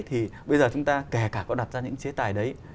thì bây giờ chúng ta kể cả có đặt ra những chế tài đấy